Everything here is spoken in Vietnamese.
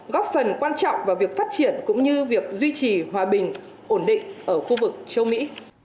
góp phần quan trọng vào việc phát triển cũng như việc duy trì hòa bình ổn định ở khu vực châu mỹ